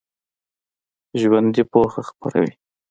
ژوندي پوهه خپروي